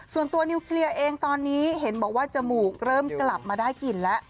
ส่วนตัวนิวเคลียร์เองตอนนี้เห็นบอกว่าจมูกเริ่มกลับมาได้กลิ่นแล้ว